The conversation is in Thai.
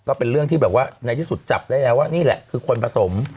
ก็เป็นเรื่องที่แบบว่าในที่สุดจับได้แล้วว่านี่แหละคือคนผสม